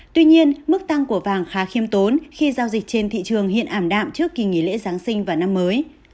tuy nhiên mức tăng của vàng khá khiêm tốn khi giao dịch trên thị trường hiện ảm đạm trước kỳ nghỉ lễ giáng sinh và năm mới